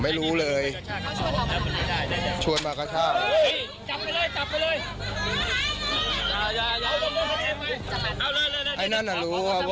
สวัสดีครับ